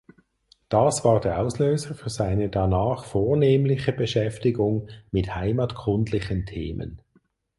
Das war der Auslöser für seine danach vornehmliche Beschäftigung mit heimatkundlichen Themen.